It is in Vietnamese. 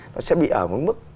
nó sẽ bị ở một mức